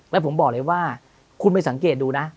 แล้วผมบอกเลยว่าคุณไปสังเกตดูนะ